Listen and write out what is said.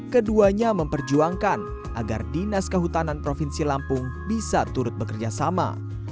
keduanya memperjuangkan agar dinas kehutanan provinsi lampung bisa turut bekerja sama